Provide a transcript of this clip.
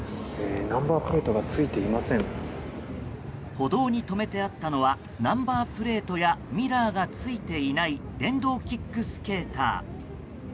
歩道に止めてあったのはナンバープレートやミラーがついていない電動キックスケーター。